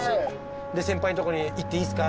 先輩のとこに行っていいっすか？